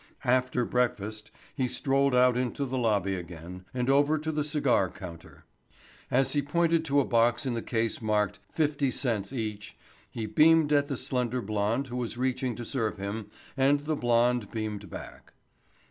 After breakfast he strolled out into the lobby again and over to the cigar counter. As he pointed to a box in the case marked "50¢" each, he beamed at the slender blonde who was reaching to serve him and the blonde beamed back.